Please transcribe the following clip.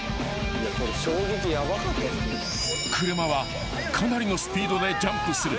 ［車はかなりのスピードでジャンプする］